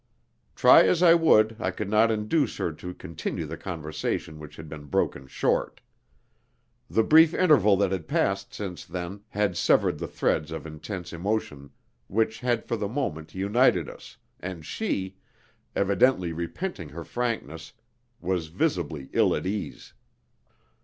Try as I would I could not induce her to continue the conversation which had been broken short. The brief interval that had passed since then had severed the threads of intense emotion which had for the moment united us, and she, evidently repenting her frankness, was visibly ill at ease.